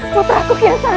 putraku kian santan